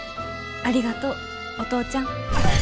ありがとうお父ちゃん。